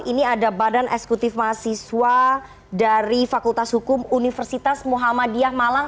ini ada badan eksekutif mahasiswa dari fakultas hukum universitas muhammadiyah malang